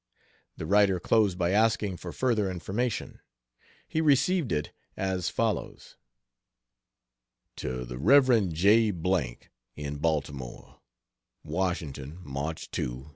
The writer closed by asking for further information. He received it, as follows: To the Rev. J , in Baltimore: WASHINGTON, Mch. 2,'85.